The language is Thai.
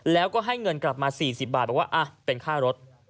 แล้วก็ให้เงินกลับมา๔๐บาทบอกว่าเป็นค่ารถ